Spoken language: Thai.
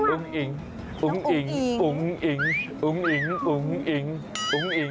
อุ๋งอิงอุ๋งอิงอุ๋งอิงอุ๋งอิงอุ๋งอิง